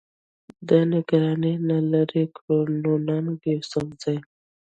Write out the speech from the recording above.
د نګرانۍ نه لرې کړو، نو ننګ يوسفزۍ